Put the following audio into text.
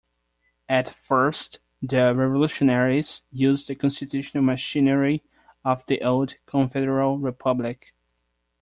At first, the revolutionaries used the constitutional machinery of the old confederal republic.